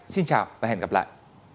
xin chào và hẹn gặp lại